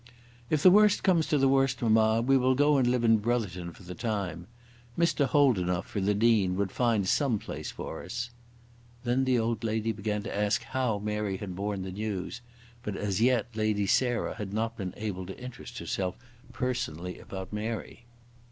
"If the worst comes to the worst, mamma we will go and live in Brotherton for the time. Mr. Holdenough or the Dean would find some place for us." Then the old lady began to ask how Mary had borne the news; but as yet Lady Sarah had not been able to interest herself personally about Mary.